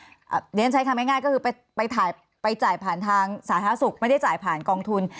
เดี๋ยวฉันใช้คำง่ายก็คือไปจ่ายผ่านทางสาธารณสุขไม่ได้จ่ายผ่านกองทุน